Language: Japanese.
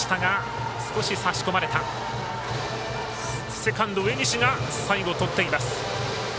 セカンド植西が最後、とっています。